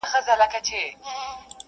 او خپل مفهوم ترې اخلي تل,